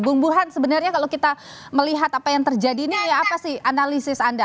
bung buhan sebenarnya kalau kita melihat apa yang terjadi ini apa sih analisis anda